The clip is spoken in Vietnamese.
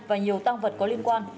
và nhiều tăng vật có liên quan